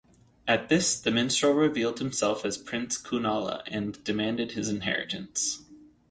At this, the minstrel revealed himself as prince Kunala and demanded his inheritance.